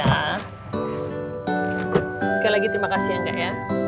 sekali lagi terima kasih ya gar nya